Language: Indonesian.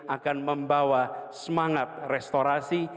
akan membawa semangat restorasi